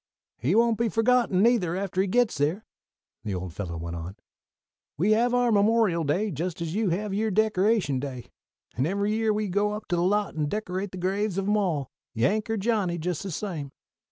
"He won't be forgotten, neither, after he gits there," the old fellow went on. "We have our Memorial Day, just as you have your Decoration Day, and every year we go up to the lot and decorate the graves of 'em all, Yank or Johnny, just the same.